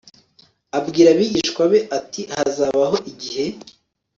Abwira abigishwa be ati Hazabaho igihe